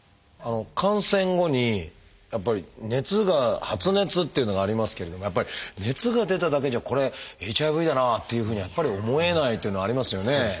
感染後にやっぱり熱が発熱っていうのがありますけれどもやっぱり熱が出ただけじゃこれＨＩＶだなっていうふうにはやっぱり思えないっていうのはありますよね。